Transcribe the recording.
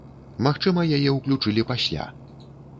Магчыма, яе ўключылі пасля.